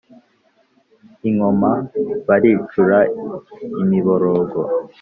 i nkoma baricura imiborogo.